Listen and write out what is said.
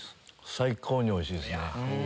最高においしいですね。